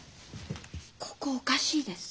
ここおかしいです。